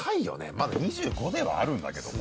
まだ２５ではあるんだけども。